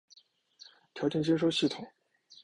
条件接收系统。